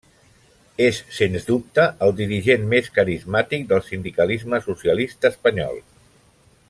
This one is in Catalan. És sens dubte el dirigent més carismàtic del sindicalisme socialista espanyol.